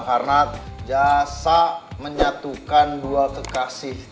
karena jasa menyatukan dua kekasih